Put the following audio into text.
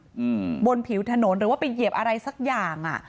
อืมบนผิวถนนหรือว่าไปเหยียบอะไรสักอย่างอ่ะ